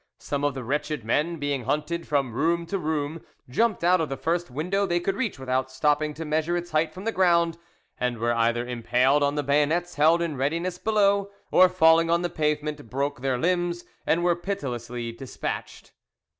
Some of the wretched men, being hunted from room to room, jumped out of the first window they could reach, without stopping to measure its height from the ground, and were either impaled on the bayonets held in readiness below, or, falling on the pavement, broke their limbs and were pitilessly despatched.